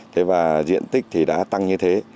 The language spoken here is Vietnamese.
thế và diện tích thì đã tăng như thế